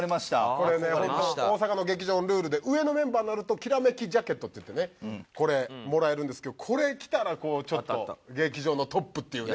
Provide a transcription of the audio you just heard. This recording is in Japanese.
これね大阪の劇場のルールで上のメンバーになると煌ジャケットっていってねこれもらえるんですけどこれ着たらこうちょっと劇場のトップっていうね。